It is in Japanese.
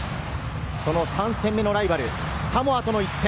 その３戦目のライバル、サモアとの一戦。